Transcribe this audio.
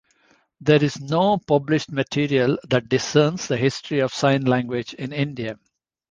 There is no published material that discerns the history of Sign language in India.